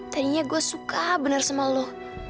tadinya gue suka benar sama lo